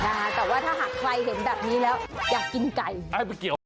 ใช่แต่ว่าถ้าหากใครเห็นแบบนี้แล้วอยากกินไก่